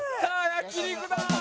焼肉だ！